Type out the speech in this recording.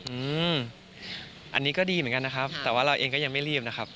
อืมอันนี้ก็ดีเหมือนกันนะครับแต่ว่าเราเองก็ยังไม่รีบนะครับ